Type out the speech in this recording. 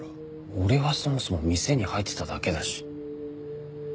俺はそもそも店に入ってただけだし。